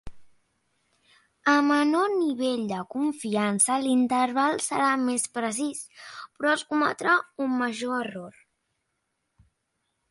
A menor nivell de confiança l'interval serà més precís, però es cometrà un major error.